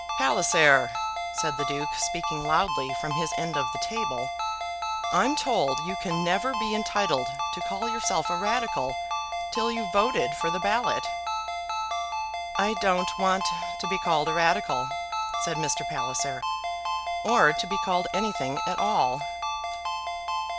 "Palliser," said the Duke, speaking loudly from his end of the table, "I'm told you can never be entitled to call yourself a Radical till you've voted for the ballot." "I don't want to be called a Radical," said Mr. Palliser, "or to be called anything at all."